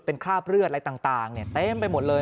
เป็นคราบเลือดอะไรต่างเต็มไปหมดเลย